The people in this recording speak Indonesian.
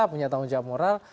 punya tanggung jawab moral